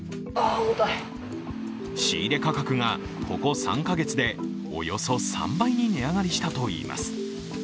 仕入れ価格がここ３カ月でおよそ３倍に値上がりしたといいます。